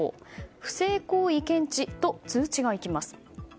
不正行為検知と通知がいきます。